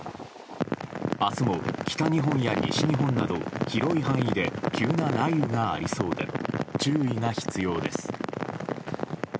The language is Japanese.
あすも北日本や西日本など、広い範囲で急な雷雨がありそうで、注意が必要です。